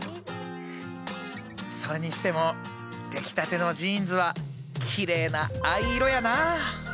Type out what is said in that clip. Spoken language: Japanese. それにしても出来たてのジーンズはきれいな藍色やなあ。